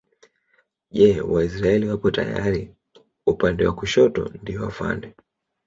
Je Waisraeli wapo tayari upande wa kushoto ndio afande